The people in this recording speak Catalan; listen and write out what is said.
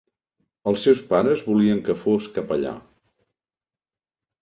Els seus pares volien que fos capellà.